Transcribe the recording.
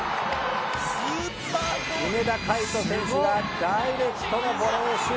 梅田魁人選手がダイレクトのボレーシュート。